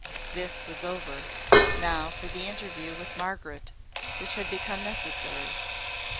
This was over. Now for the interview with Margaret, which had become necessary.